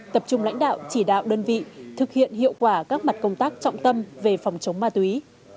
tập trung lãnh đạo chỉ đạo đơn vị thực hiện hiệu quả các mặt công tác trọng tâm về phòng chống ma túy